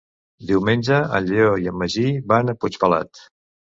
Diumenge en Lleó i en Magí van a Puigpelat.